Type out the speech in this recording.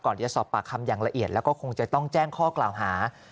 จะสอบปากคำอย่างละเอียดแล้วก็คงจะต้องแจ้งข้อกล่าวหา